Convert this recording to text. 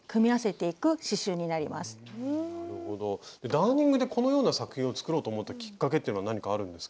ダーニングでこのような作品を作ろうと思ったきっかけっていうのは何かあるんですか？